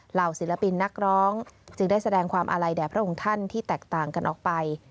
เหล่าศิลปินนักร้องจึงได้แสดงความอาลัยแด่พระองค์ท่านที่แตกต่างกันออกไป